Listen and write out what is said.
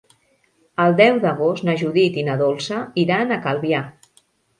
El deu d'agost na Judit i na Dolça iran a Calvià.